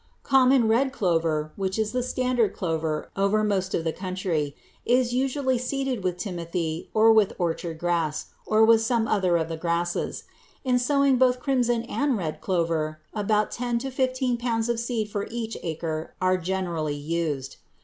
Common red clover, which is the standard clover over most of the country, is usually seeded with timothy or with orchard grass or with some other of the grasses. In sowing both crimson and red clover, about ten to fifteen pounds of seed for each acre are generally used.